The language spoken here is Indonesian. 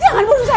jangan bunuh saya